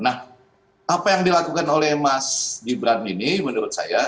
nah apa yang dilakukan oleh mas gibran ini menurut saya